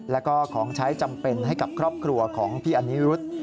แล้วก็ของใช้จำเป็นให้กับครอบครัวของพี่อนิรุธ